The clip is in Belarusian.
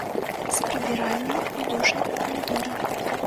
З прыбіральняй і душам у калідоры.